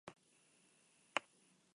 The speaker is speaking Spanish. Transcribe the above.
Porque comprados sois por precio: